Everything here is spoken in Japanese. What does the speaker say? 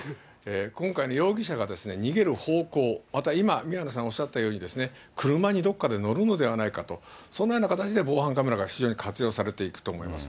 今回の容疑者が逃げる方向、また今、宮根さんがおっしゃったように、車にどっかで乗るのではないかと、そんなような形で防犯カメラが非常に活用されていくと思います。